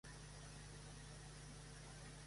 Hey, man!